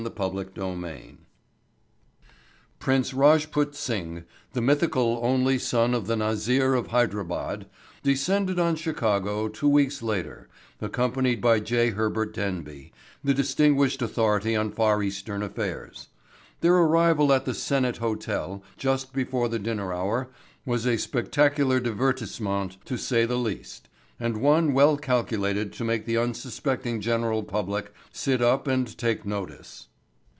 Chapter Twenty Six Prince Rajput Singh, the mythical only son of the Nazir of Hydrabad, descended on Chicago two weeks later accompanied by J. Herbert Denby, the distinguished authority on Far Eastern affairs. Their arrival at the Senate Hotel just before the dinner hour was a spectacular divertissement, to say the least, and one well calculated to make the unsuspecting general public sit up and take notice.